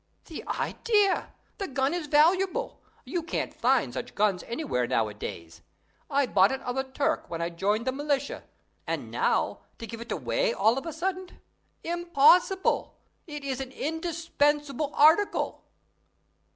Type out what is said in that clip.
"The idea! The gun is valuable; you can't find such guns anywhere nowadays. I bought it of a Turk when I joined the militia; and now, to give it away all of a sudden! Impossible! It is an indispensable article."